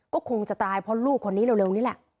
ก็คงจะตายเพราะลูกคนนี้เร็วนี่แหละ